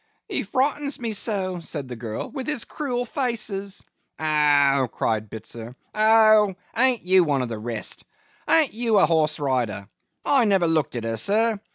'He frightened me so,' said the girl, 'with his cruel faces!' 'Oh!' cried Bitzer. 'Oh! An't you one of the rest! An't you a horse rider! I never looked at her, sir.